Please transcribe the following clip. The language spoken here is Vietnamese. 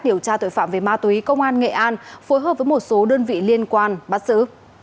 điều tra tội phạm về ma túy công an nghệ an phối hợp với một số đơn vị liên quan bắt giữ